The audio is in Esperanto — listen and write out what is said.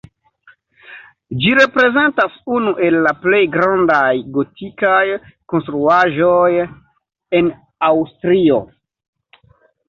Ĝi reprezentas unu el la plej grandaj gotikaj konstruaĵoj en Aŭstrio.